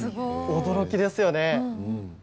驚きですよね。